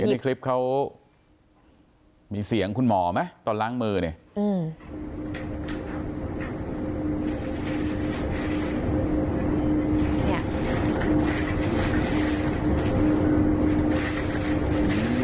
อย่างที่คลิปเขามีเสียงคุณหมอไหมตอนล้างมือเนี่ย